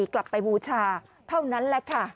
กลับไปบูชาเท่านั้นแหละค่ะ